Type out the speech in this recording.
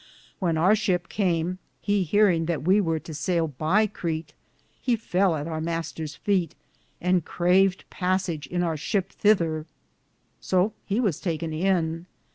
When our shipe came, he hearinge that we weare to sayle by Candie, he fell at our Maysteres feet, and craved passege in our shipe thether. So he was taken in.